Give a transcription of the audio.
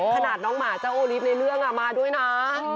ขนาดน้องหมาเจ้าโอลิฟต์ในเรื่องมาด้วยนะ